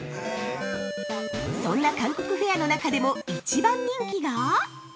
◆そんな韓国ファアの中でも一番人気が。